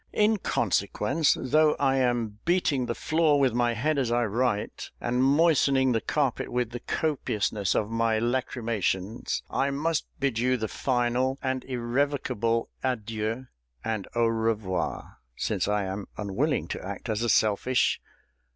In consequence, though I am beating the floor with my head as I write, and moistening the carpet with the copiousness of my lachrymations, I must bid you the final and irrevocable adieu and au revoir, since I am unwilling to act as a selfish.